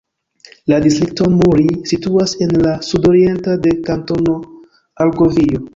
La distrikto Muri situas en la sudoriento de Kantono Argovio.